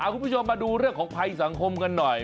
คุณผู้ชมมาดูเรื่องของภัยสังคมกันหน่อย